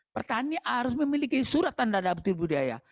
petani harus memiliki surat tanda bukti budaya